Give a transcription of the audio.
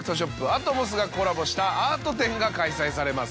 ａｔｍｏｓがコラボしたアート展が開催されます。